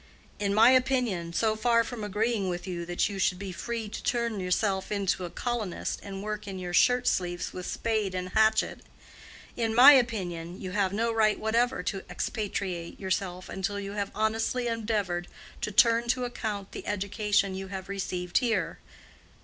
In my opinion, so far from agreeing with you that you should be free to turn yourself into a colonist and work in your shirt sleeves with spade and hatchet—in my opinion you have no right whatever to expatriate yourself until you have honestly endeavored to turn to account the education you have received here.